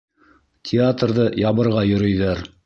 Театрҙы ябырға йөрөйҙәр!